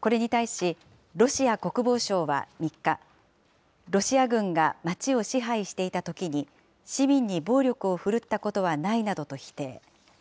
これに対し、ロシア国防省は３日、ロシア軍が街を支配していたときに市民に暴力を振るったことはないなどと否定。